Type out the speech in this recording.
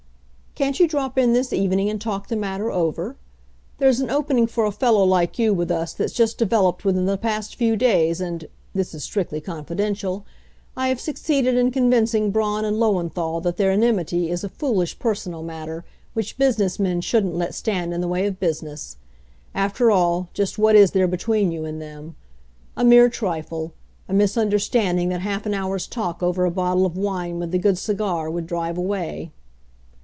Can't you drop in this evening and talk the matter over? There's an opening for a fellow like you with us that's just developed within the past few days, and this is strictly confidential I have succeeded in convincing Braun and Lowenthal that their enmity is a foolish personal matter which business men shouldn't let stand in the way of business. After all, just what is there between you and them? A mere trifle; a misunderstanding that half an hour's talk over a bottle of wine with a good cigar would drive away.